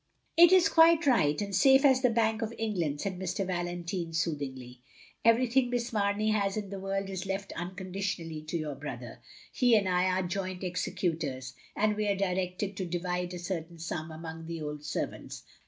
" It is all quite right, and safe as the Bank of England," said Mr. Valentine, soothingly. " Every thing Miss Mamey has in the world is left unconditionally to your brother. He and I are joint executors, and we are directed to divide a certain stam among the old servants.